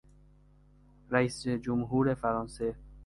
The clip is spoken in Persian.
رئیسجمهور فرانسه